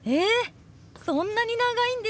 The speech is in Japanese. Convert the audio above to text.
そんなに長いんですね！